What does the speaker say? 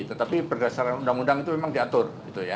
tetapi berdasarkan undang undang itu memang diatur